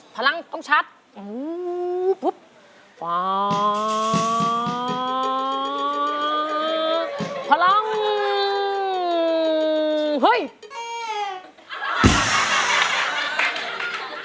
พลังต้องชาร์จ